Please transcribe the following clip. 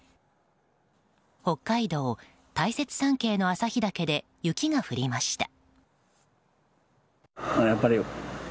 北海道大雪山系の旭岳で雪が降りました。